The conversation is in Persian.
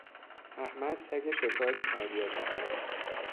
احمد سگ شکاری تربیت میکند.